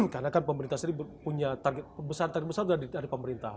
karena kan pemerintah sendiri punya target besar besar dari pemerintah